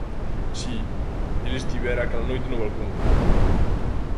Si, el estivera aquela noite no balcón;